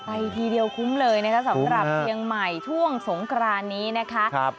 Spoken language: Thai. ทีเดียวคุ้มเลยนะคะสำหรับเชียงใหม่ช่วงสงครานนี้นะคะ